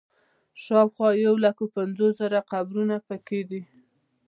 شاوخوا یو لک پنځوس زره قبرونه په کې دي.